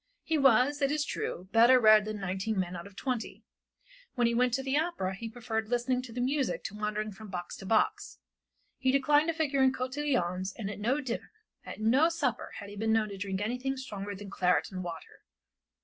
He was, it is true, better read than nineteen men out of twenty; when he went to the opera he preferred listening to the music to wandering from box to box; he declined to figure in cotillons and at no dinner, at no supper had he been known to drink anything stronger than claret and water.